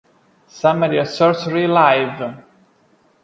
Summer of Sorcery Live!